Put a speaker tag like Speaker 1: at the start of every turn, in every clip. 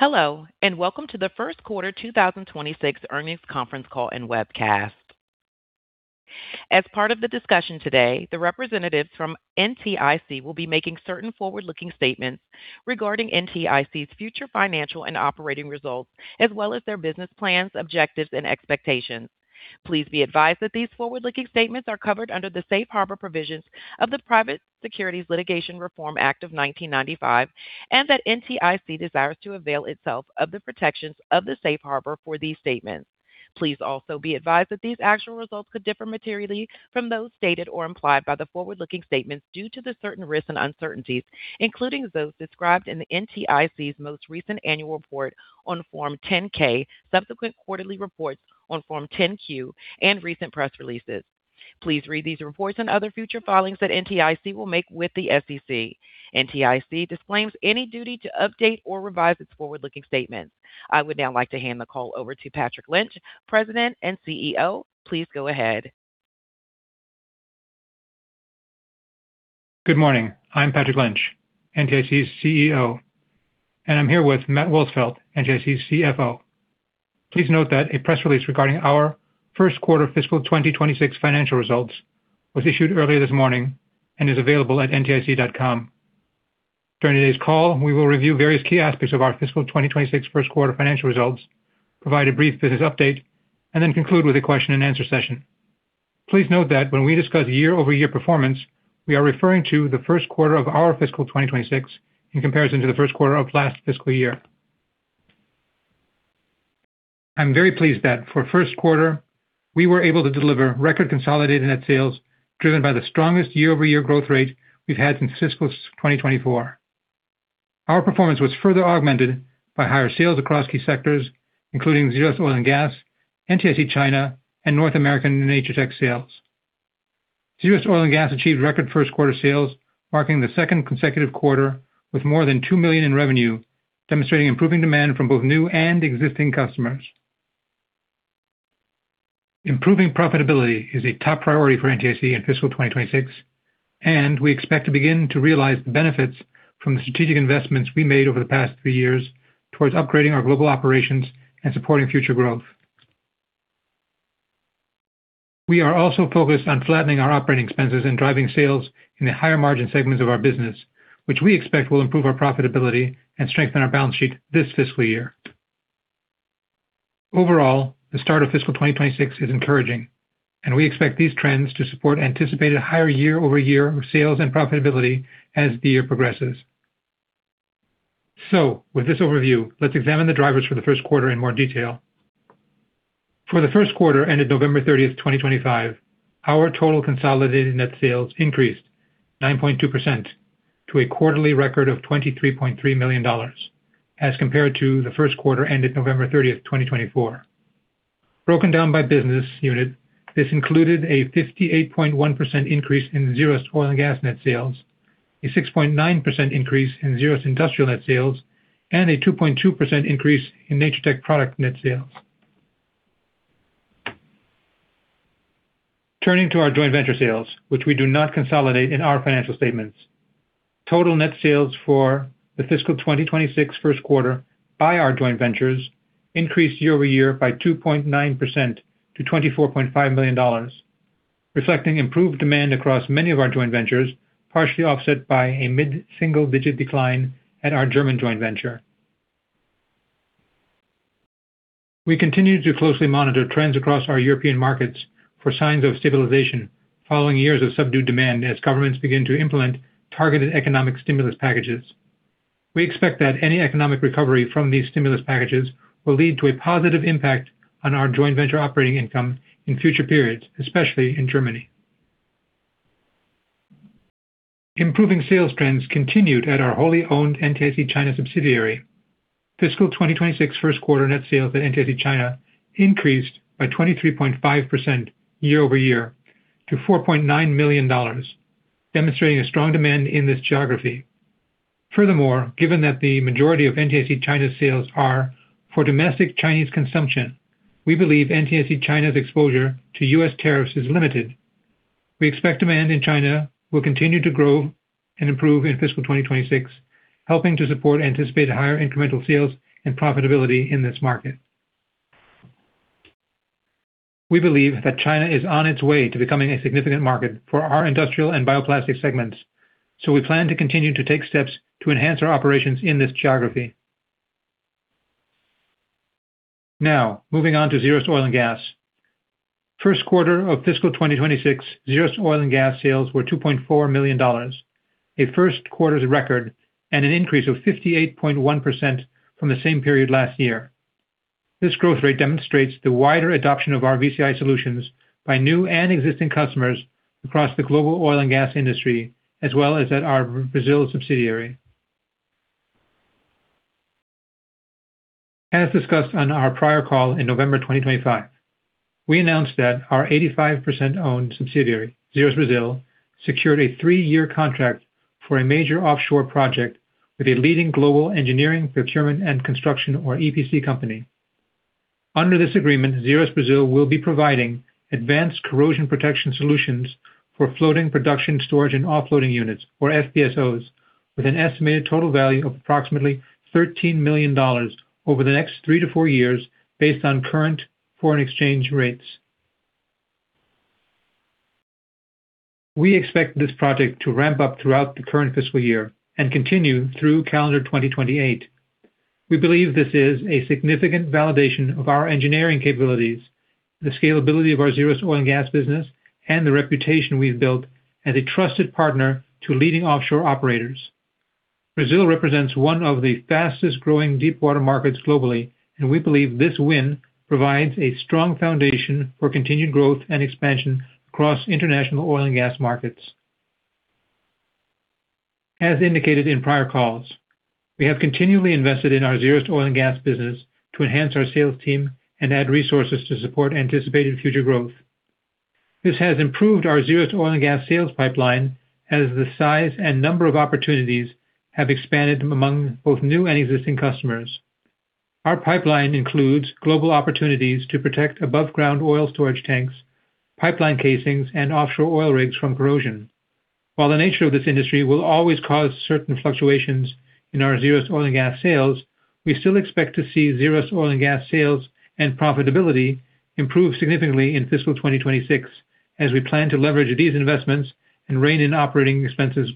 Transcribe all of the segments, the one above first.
Speaker 1: Hello, and welcome to the first quarter 2026 earnings conference call and webcast. As part of the discussion today, the representatives from NTIC will be making certain forward-looking statements regarding NTIC's future financial and operating results, as well as their business plans, objectives, and expectations. Please be advised that these forward-looking statements are covered under the safe harbor provisions of the Private Securities Litigation Reform Act of 1995, and that NTIC desires to avail itself of the protections of the safe harbor for these statements. Please also be advised that these actual results could differ materially from those stated or implied by the forward-looking statements due to the certain risks and uncertainties, including those described in NTIC's most recent annual report on Form 10-K, subsequent quarterly reports on Form 10-Q, and recent press releases. Please read these reports and other future filings that NTIC will make with the SEC. NTIC disclaims any duty to update or revise its forward-looking statements. I would now like to hand the call over to Patrick Lynch, President and CEO. Please go ahead.
Speaker 2: Good morning. I'm Patrick Lynch, NTIC's CEO, and I'm here with Matt Wolsfeld, NTIC's CFO. Please note that a press release regarding our first quarter fiscal 2026 financial results was issued earlier this morning and is available at ntic.com. During today's call, we will review various key aspects of our fiscal 2026 first quarter financial results, provide a brief business update, and then conclude with a question-and-answer session. Please note that when we discuss year-over-year performance, we are referring to the first quarter of our fiscal 2026 in comparison to the first quarter of last fiscal year. I'm very pleased that for first quarter, we were able to deliver record consolidated net sales driven by the strongest year-over-year growth rate we've had since fiscal 2024. Our performance was further augmented by higher sales across key sectors, including Zerust Oil & Gas, NTIC China, and North American Natur-Tec sales. Zerust Oil & Gas achieved record first quarter sales, marking the second consecutive quarter with more than $2 million in revenue, demonstrating improving demand from both new and existing customers. Improving profitability is a top priority for NTIC in Fiscal 2026, and we expect to begin to realize the benefits from the strategic investments we made over the past three years towards upgrading our global operations and supporting future growth. We are also focused on flattening our operating expenses and driving sales in the higher margin segments of our business, which we expect will improve our profitability and strengthen our balance sheet this fiscal year. Overall, the start of Fiscal 2026 is encouraging, and we expect these trends to support anticipated higher year-over-year sales and profitability as the year progresses. So, with this overview, let's examine the drivers for the first quarter in more detail. For the first quarter ended November 30, 2025, our total consolidated net sales increased 9.2% to a quarterly record of $23.3 million as compared to the first quarter ended November 30, 2024. Broken down by business unit, this included a 58.1% increase in Zerust Oil & Gas net sales, a 6.9% increase in Zerust Industrial net sales, and a 2.2% increase in Natur-Tec product net sales. Turning to our joint venture sales, which we do not consolidate in our financial statements, total net sales for the fiscal 2026 first quarter by our joint ventures increased year-over-year by 2.9% to $24.5 million, reflecting improved demand across many of our joint ventures, partially offset by a mid-single-digit decline at our German joint venture. We continue to closely monitor trends across our European markets for signs of stabilization following years of subdued demand as governments begin to implement targeted economic stimulus packages. We expect that any economic recovery from these stimulus packages will lead to a positive impact on our joint venture operating income in future periods, especially in Germany. Improving sales trends continued at our wholly owned NTIC China subsidiary. Fiscal 2026 first quarter net sales at NTIC China increased by 23.5% year-over-year to $4.9 million, demonstrating a strong demand in this geography. Furthermore, given that the majority of NTIC China's sales are for domestic Chinese consumption, we believe NTIC China's exposure to U.S. tariffs is limited. We expect demand in China will continue to grow and improve in fiscal 2026, helping to support anticipated higher incremental sales and profitability in this market. We believe that China is on its way to becoming a significant market for our industrial and bioplastic segments, so we plan to continue to take steps to enhance our operations in this geography. Now, moving on to Zerust Oil & Gas. First quarter of fiscal 2026, Zerust Oil & Gas sales were $2.4 million, a first quarter's record, and an increase of 58.1% from the same period last year. This growth rate demonstrates the wider adoption of our VCI solutions by new and existing customers across the global oil and gas industry, as well as at our Brazil subsidiary. As discussed on our prior call in November 2025, we announced that our 85% owned subsidiary, Zerust Brazil, secured a three-year contract for a major offshore project with a leading global engineering, procurement, and construction, or EPC company. Under this agreement, Zerust Brazil will be providing advanced corrosion protection solutions for floating production, storage, and offloading units, or FPSOs, with an estimated total value of approximately $13 million over the next three to four years based on current foreign exchange rates. We expect this project to ramp up throughout the current fiscal year and continue through calendar 2028. We believe this is a significant validation of our engineering capabilities, the scalability of our Zerust Oil & Gas business, and the reputation we've built as a trusted partner to leading offshore operators. Brazil represents one of the fastest-growing deep-water markets globally, and we believe this win provides a strong foundation for continued growth and expansion across international oil and gas markets. As indicated in prior calls, we have continually invested in our Zerust Oil & Gas business to enhance our sales team and add resources to support anticipated future growth. This has improved our Zerust Oil & Gas sales pipeline as the size and number of opportunities have expanded among both new and existing customers. Our pipeline includes global opportunities to protect above-ground oil storage tanks, pipeline casings, and offshore oil rigs from corrosion. While the nature of this industry will always cause certain fluctuations in our Zerust Oil & Gas sales, we still expect to see Zerust Oil & Gas sales and profitability improve significantly in fiscal 2026 as we plan to leverage these investments and rein in operating expenses.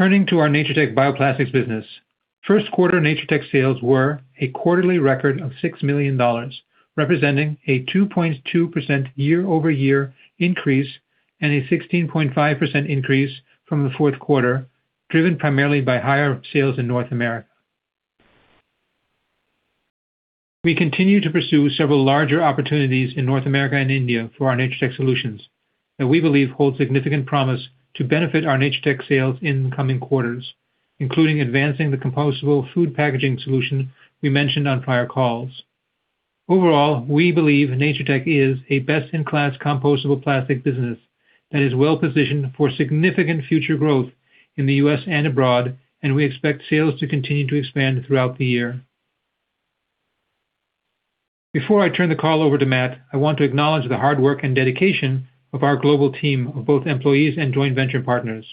Speaker 2: Turning to our Natur-Tec bioplastics business, first quarter Natur-Tec sales were a quarterly record of $6 million, representing a 2.2% year-over-year increase and a 16.5% increase from the fourth quarter, driven primarily by higher sales in North America. We continue to pursue several larger opportunities in North America and India for our Natur-Tec solutions that we believe hold significant promise to benefit our Natur-Tec sales in coming quarters, including advancing the compostable food packaging solution we mentioned on prior calls. Overall, we believe Natur-Tec is a best-in-class compostable plastic business that is well-positioned for significant future growth in the U.S. and abroad, and we expect sales to continue to expand throughout the year. Before I turn the call over to Matt, I want to acknowledge the hard work and dedication of our global team, both employees and joint venture partners.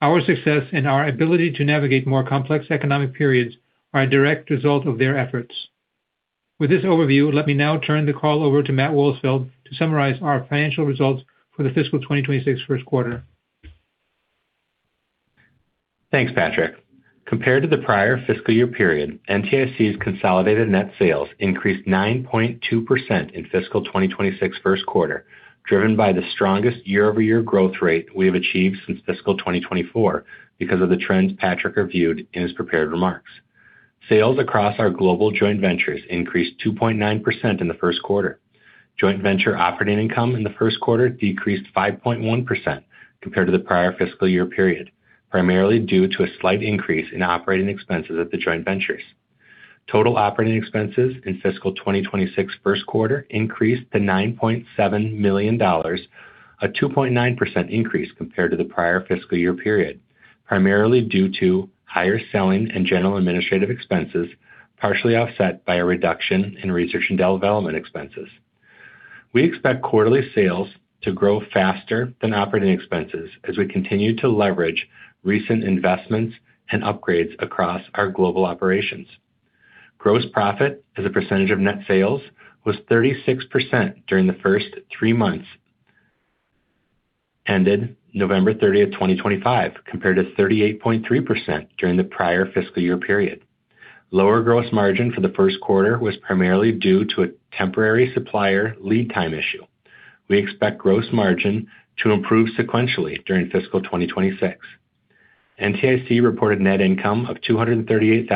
Speaker 2: Our success and our ability to navigate more complex economic periods are a direct result of their efforts. With this overview, let me now turn the call over to Matt Wolsfeld to summarize our financial results for the fiscal 2026 first quarter.
Speaker 3: Thanks, Patrick. Compared to the prior fiscal year period, NTIC's consolidated net sales increased 9.2% in fiscal 2026 first quarter, driven by the strongest year-over-year growth rate we have achieved since fiscal 2024 because of the trends Patrick reviewed in his prepared remarks. Sales across our global joint ventures increased 2.9% in the first quarter. Joint venture operating income in the first quarter decreased 5.1% compared to the prior fiscal year period, primarily due to a slight increase in operating expenses at the joint ventures. Total operating expenses in fiscal 2026 first quarter increased to $9.7 million, a 2.9% increase compared to the prior fiscal year period, primarily due to higher selling and general administrative expenses, partially offset by a reduction in research and development expenses. We expect quarterly sales to grow faster than operating expenses as we continue to leverage recent investments and upgrades across our global operations. Gross profit as a percentage of net sales was 36% during the first three months ended November 30, 2025, compared to 38.3% during the prior fiscal year period. Lower gross margin for the first quarter was primarily due to a temporary supplier lead time issue. We expect gross margin to improve sequentially during fiscal 2026. NTIC reported net income of $238,000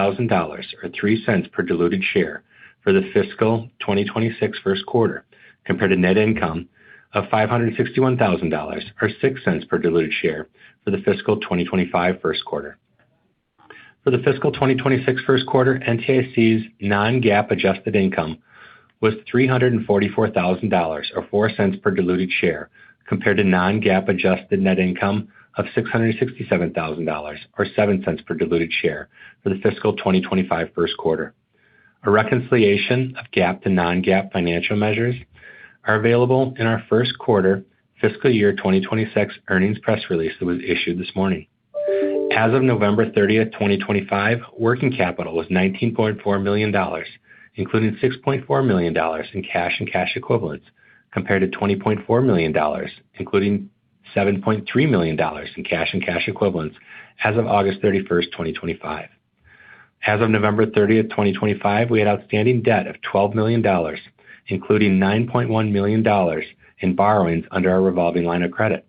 Speaker 3: or $0.03 per diluted share for the fiscal 2026 first quarter, compared to net income of $561,000 or $0.06 per diluted share for the fiscal 2025 first quarter. For the fiscal 2026 first quarter, NTIC's non-GAAP adjusted income was $344,000 or $0.04 per diluted share, compared to non-GAAP adjusted net income of $667,000 or $0.07 per diluted share for the fiscal 2025 first quarter. A reconciliation of GAAP to non-GAAP financial measures is available in our first quarter fiscal year 2026 earnings press release that was issued this morning. As of November 30, 2025, working capital was $19.4 million, including $6.4 million in cash and cash equivalents, compared to $20.4 million, including $7.3 million in cash and cash equivalents as of August 31, 2025. As of November 30, 2025, we had outstanding debt of $12 million, including $9.1 million in borrowings under our revolving line of credit.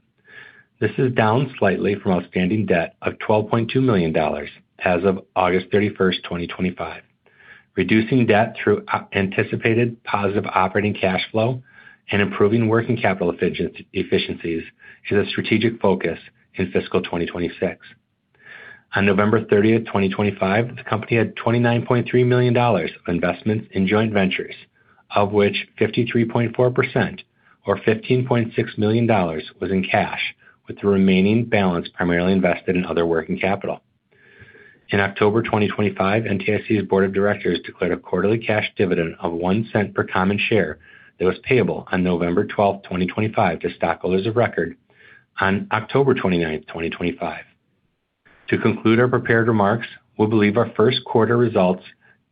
Speaker 3: This is down slightly from outstanding debt of $12.2 million as of August 31, 2025. Reducing debt through anticipated positive operating cash flow and improving working capital efficiencies is a strategic focus in fiscal 2026. On November 30, 2025, the company had $29.3 million of investments in joint ventures, of which 53.4% or $15.6 million was in cash, with the remaining balance primarily invested in other working capital. In October 2025, NTIC's board of directors declared a quarterly cash dividend of $0.01 per common share that was payable on November 12, 2025, to stockholders of record on October 29, 2025. To conclude our prepared remarks, we believe our first quarter results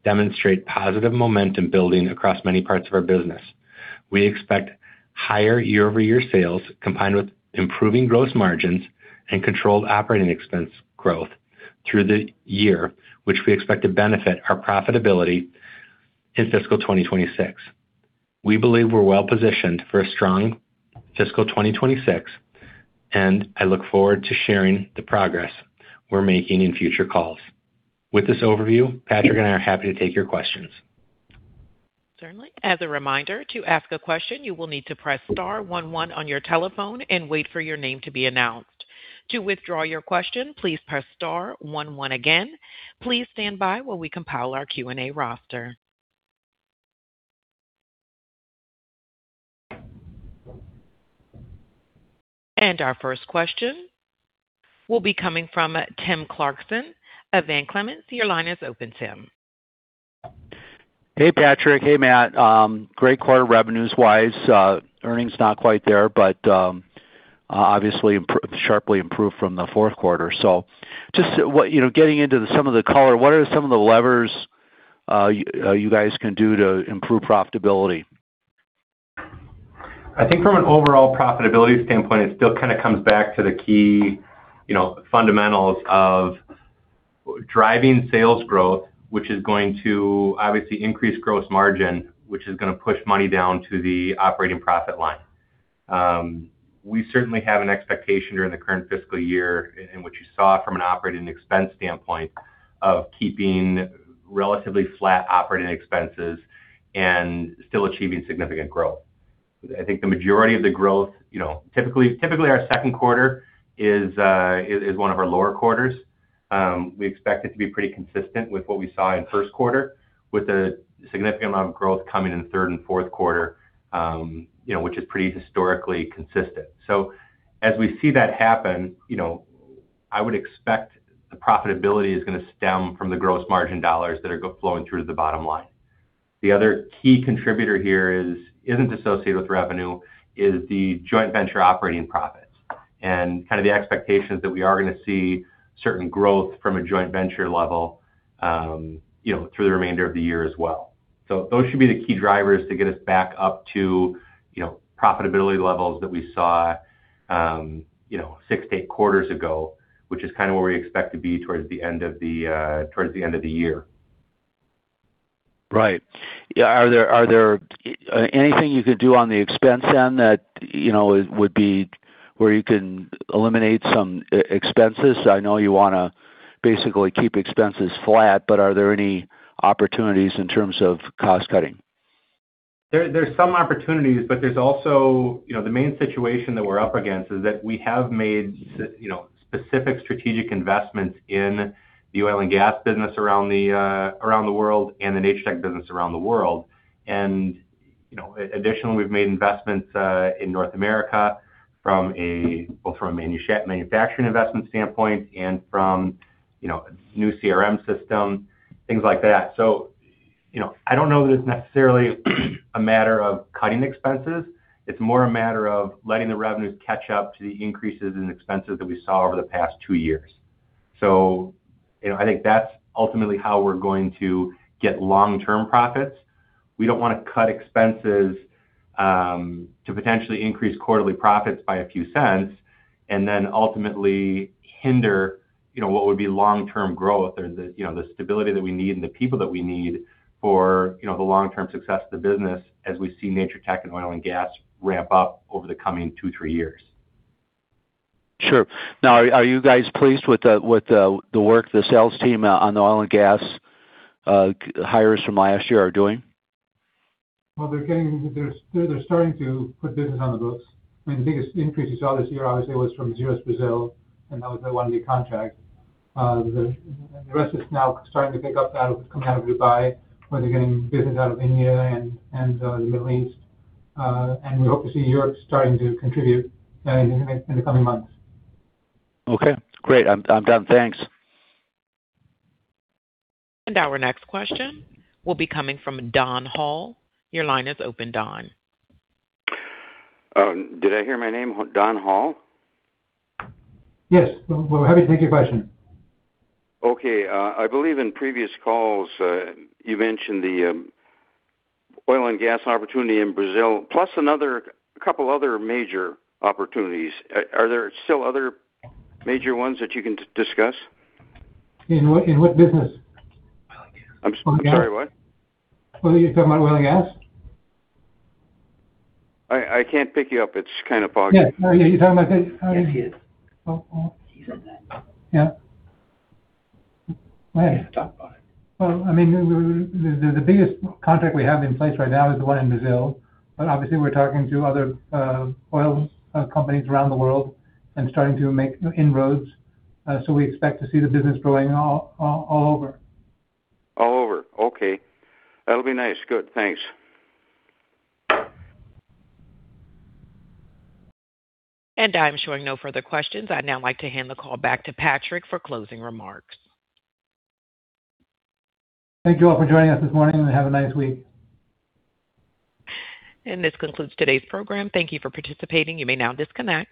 Speaker 3: demonstrate positive momentum building across many parts of our business. We expect higher year-over-year sales combined with improving gross margins and controlled operating expense growth through the year, which we expect to benefit our profitability in fiscal 2026. We believe we're well-positioned for a strong fiscal 2026, and I look forward to sharing the progress we're making in future calls. With this overview, Patrick and I are happy to take your questions.
Speaker 1: Certainly. As a reminder, to ask a question, you will need to press star 11 on your telephone and wait for your name to be announced. To withdraw your question, please press star 11 again. Please stand by while we compile our Q&A roster, and our first question will be coming from Tim Clarkson of Van Clemens. Your line is open, Tim.
Speaker 4: Hey, Patrick. Hey, Matt. Great quarter revenues-wise. Earnings not quite there, but obviously sharply improved from the fourth quarter. So just getting into some of the color, what are some of the levers you guys can do to improve profitability?
Speaker 3: I think from an overall profitability standpoint, it still kind of comes back to the key fundamentals of driving sales growth, which is going to obviously increase gross margin, which is going to push money down to the operating profit line. We certainly have an expectation during the current fiscal year in what you saw from an operating expense standpoint of keeping relatively flat operating expenses and still achieving significant growth. I think the majority of the growth, typically our second quarter is one of our lower quarters. We expect it to be pretty consistent with what we saw in first quarter, with a significant amount of growth coming in third and fourth quarter, which is pretty historically consistent. So as we see that happen, I would expect the profitability is going to stem from the gross margin dollars that are flowing through to the bottom line. The other key contributor here isn't associated with revenue, is the joint venture operating profits and kind of the expectations that we are going to see certain growth from a joint venture level through the remainder of the year as well. So those should be the key drivers to get us back up to profitability levels that we saw six to eight quarters ago, which is kind of where we expect to be towards the end of the year.
Speaker 4: Right. Are there anything you could do on the expense end that would be where you can eliminate some expenses? I know you want to basically keep expenses flat, but are there any opportunities in terms of cost cutting?
Speaker 3: are some opportunities, but there's also the main situation that we're up against is that we have made specific strategic investments in the oil and gas business around the world and the Natur-Tec business around the world. And additionally, we've made investments in North America both from a manufacturing investment standpoint and from a new CRM system, things like that. So I don't know that it's necessarily a matter of cutting expenses. It's more a matter of letting the revenues catch up to the increases in expenses that we saw over the past two years. So I think that's ultimately how we're going to get long-term profits. We don't want to cut expenses to potentially increase quarterly profits by a few cents and then ultimately hinder what would be long-term growth or the stability that we need and the people that we need for the long-term success of the business as we see Natur-Tec and oil and gas ramp up over the coming two, three years.
Speaker 4: Sure. Now, are you guys pleased with the work the sales team on the oil and gas hires from last year are doing?
Speaker 2: They're starting to put business on the books. I mean, the biggest increase you saw this year, obviously, was from Zerust Brazil, and that was their one lead contract. The rest is now starting to pick up that coming out of Dubai, where they're getting business out of India and the Middle East. We hope to see Europe starting to contribute in the coming months.
Speaker 4: Okay. Great. I'm done. Thanks.
Speaker 1: Our next question will be coming from Don Hall. Your line is open, Don.
Speaker 5: Did I hear my name, Don Hall?
Speaker 2: Yes. We're happy to take your question.
Speaker 5: Okay. I believe in previous calls, you mentioned the oil and gas opportunity in Brazil, plus a couple of other major opportunities. Are there still other major ones that you can discuss?
Speaker 2: In what business?
Speaker 5: I'm sorry, what?
Speaker 2: You're talking about oil and gas
Speaker 5: I can't pick you up. It's kind of foggy.
Speaker 2: Yeah. Are you talking about that? He said that. Yeah. I hadn't thought about it. Well, I mean, the biggest contract we have in place right now is the one in Brazil. But obviously, we're talking to other oil companies around the world and starting to make inroads. So we expect to see the business growing all over.
Speaker 5: All over. Okay. That'll be nice. Good. Thanks.
Speaker 1: I'm showing no further questions. I'd now like to hand the call back to Patrick for closing remarks.
Speaker 2: Thank you all for joining us this morning, and have a nice week.
Speaker 1: This concludes today's program. Thank you for participating. You may now disconnect.